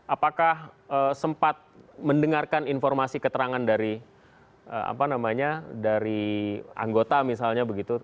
apakah sempat mendengarkan informasi keterangan dari anggota misalnya begitu